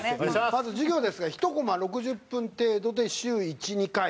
まず授業ですが１コマ６０分程度で週１２回。